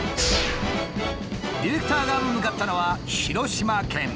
ディレクターが向かったのは広島県。